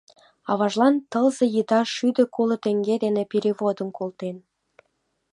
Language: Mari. Аважлан тылзе еда шӱдӧ коло теҥге дене переводым колтен.